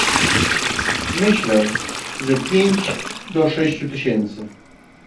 "Myślę, że pięć do sześciu tysięcy..."